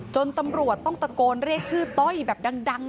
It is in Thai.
ตำรวจต้องตะโกนเรียกชื่อต้อยแบบดัง